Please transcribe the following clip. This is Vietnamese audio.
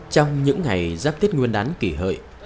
trong những ngày giáp tiết nguyên đán kỳ hợi